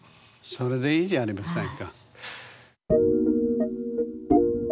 それでいいじゃありませんか。